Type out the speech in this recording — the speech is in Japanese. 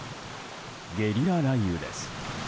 ゲリラ雷雨です。